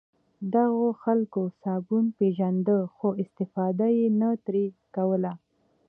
دغو خلکو صابون پېژانده خو استفاده یې نه ترې کوله.